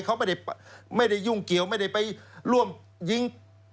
เขาไม่ได้ยุ่งเกี่ยวไม่ได้ไปร่วมยิง